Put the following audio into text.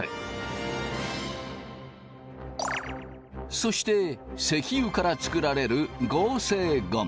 そして石油から作られる合成ゴム。